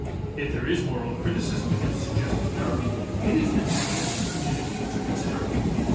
If there is moral criticism against suggestive therapy, it is the duty of the community to consider it.